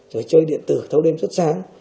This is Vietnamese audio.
rồi chơi điện tử thâu đêm suốt sáng